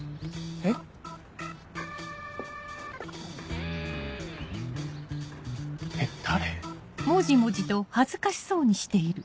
えっ誰？